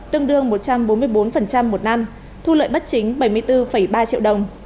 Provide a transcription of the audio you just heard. tương đương một trăm bốn mươi bốn một năm thu lợi bất chính bảy mươi bốn ba triệu đồng